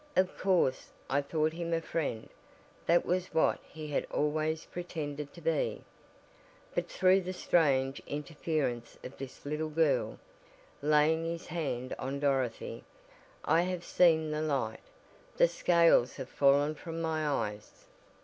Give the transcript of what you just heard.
Of course I thought him a friend, that was what he had always pretended to be, but through the strange interference of this little girl," laying his hand on Dorothy, "I have seen the light; the scales have fallen from my eyes."